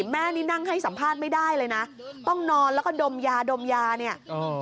แม่นี่นั่งให้สัมภาษณ์ไม่ได้เลยนะต้องนอนแล้วก็ดมยาดมยาเนี่ย